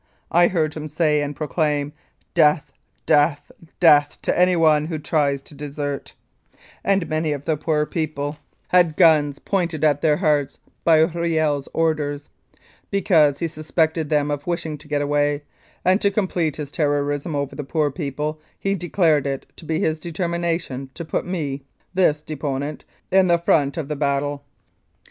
I heard him say and proclaim, ' Death, death, death to any one who tries to desert,' and many of the poor people had 221 Mounted Police Life in Canada guns pointed at their hearts by Kiel's orders, because he suspected them of wishing to get away; and to complete his terrorism over the poor people he declared it to be his determination to put me (this deponent) in the front of the battle."